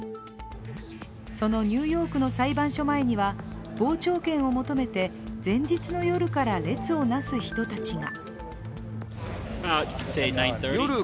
そのニューヨークの裁判所前には傍聴券を求めて前日の夜から列をなす人たちが。